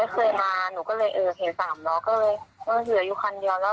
ประมาณ๒๐๐๒๒๐บาทแต่ว่าจากรถไฟที่หนูนั่งมา